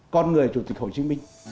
con người chủ tịch hồ chí minh